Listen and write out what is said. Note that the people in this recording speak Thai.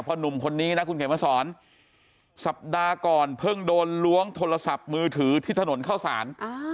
หนุ่มคนนี้นะคุณเขียนมาสอนสัปดาห์ก่อนเพิ่งโดนล้วงโทรศัพท์มือถือที่ถนนเข้าสาร